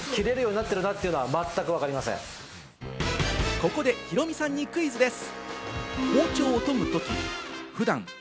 ここでヒロミさんにクイズです。